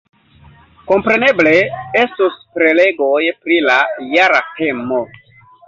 Kompreneble, estos prelegoj pri la jara temo.